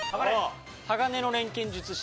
『鋼の錬金術師』。